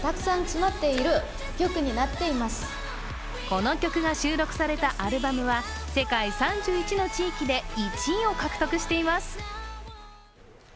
この曲が収録されたアルバムは世界３１の地域で１位を獲得しています。